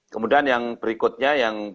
kemudian yang berikutnya